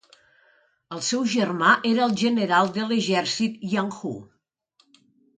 El seu germà era el general de l'exèrcit Yang Hu.